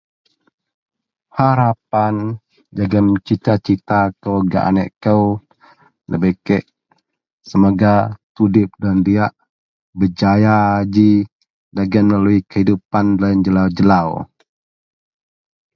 harapan jegum cita-cita kou gak aneak kou, debei kek, semoga tudip deloyien diak jegum berjaya ji melalui kehidupan loyien jelau-jelau